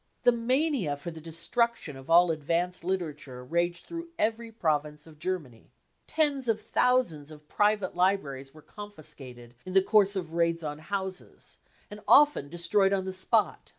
The mania for the destruction of all advanced literature raged through every province of Germany. Tens of thou sands of private libraries were confiscated in the course of raids on houses, and often destroyed on the spot.